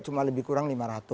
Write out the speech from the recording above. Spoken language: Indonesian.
cuma lebih kurang lima ratus